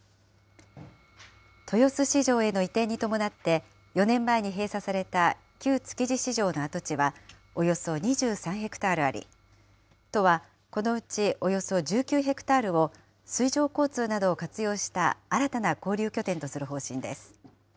豊洲市場への移転に伴って、４年前に閉鎖された旧築地市場の跡地はおよそ２３ヘクタールあり、都は、このうちおよそ１９ヘクタールを、水上交通などを活用した新たな交流拠点とする方針です。